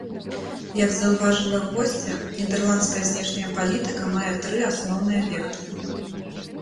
Як заўважыла госця, нідэрландская знешняя палітыка мае тры асноўныя вектары.